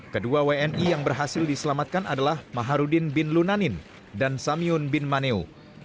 kedua wni yang berhasil diselamatkan adalah maharudin bin lunanin dan samyun bin maneu